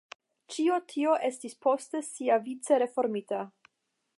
Ĉio tio estis poste siavice reformita.